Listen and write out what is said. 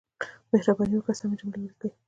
مهرباني وکړئ سمې جملې ولیکئ.